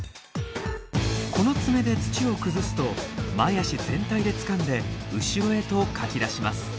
この爪で土を崩すと前足全体でつかんで後ろへとかき出します。